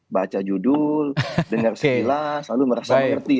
baca judul dengar sekilas lalu merasa mengerti